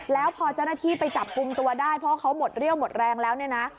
แล้วพอเจ้าหน้าที่ไปจับกลุ่มตัวได้เพราะเขาหมดเรี่ยวหมดแรงแล้วเนี่ยนะ